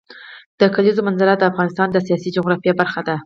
د کلیزو منظره د افغانستان د سیاسي جغرافیه برخه ده.